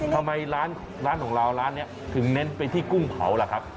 ทำไมร้านของเราร้านนี้ถึงเน้นไปที่กุ้งเผาล่ะครับ